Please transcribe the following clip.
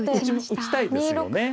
打ちたいですよね。